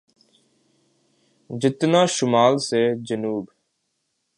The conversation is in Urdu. جتنا شمال سے جنوب۔